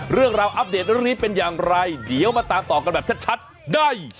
เรื่องราวอัปเดตเรื่องนี้เป็นอย่างไรเดี๋ยวมาตามต่อกันแบบชัดได้